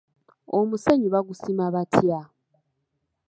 Omusenyu bagusima batya?